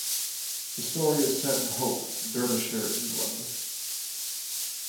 The story is set in Hope, Derbyshire, England.